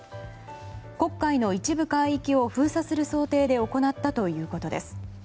黒海の一部海域を封鎖する想定で行ったということです。